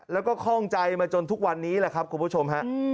แล้วก็ข้องใจมาจนทุกวันนี้แหละครับคุณผู้ชมฮะ